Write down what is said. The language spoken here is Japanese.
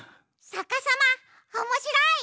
さかさまおもしろい！